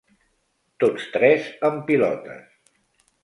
Tots tres en pilotes.